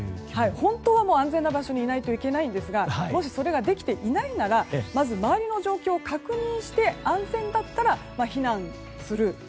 本当は安全な場所にいないといけないんですがもしそれができていないならまず周りの状況を確認して安全だったら避難する。